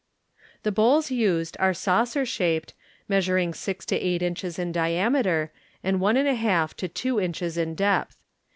The bowls used are saucer shaped, measuring six to eight inches in diameter, and one and a half to two inches in depth.